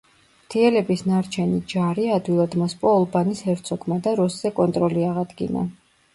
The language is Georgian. მთიელების ნარჩენი ჯარი ადვილად მოსპო ოლბანის ჰერცოგმა და როსზე კონტროლი აღადგინა.